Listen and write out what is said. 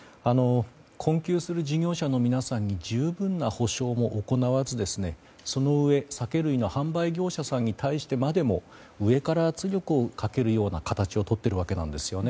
困窮する事業者の皆さんに十分な補償も行わずですね、そのうえ、酒類の販売業者さんに対してまでも上から圧力をかけるような形をとっているわけなんですね。